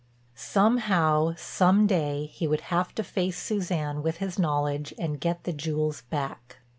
Somehow, some day, he would have to face Suzanne with his knowledge and get the jewels back.